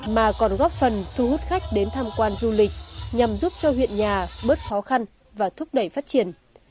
mà còn góp phần thu hút khách đến tham quan du lịch nhằm giúp cho huyện nhà bớt khó khăn và thúc đẩy phát triển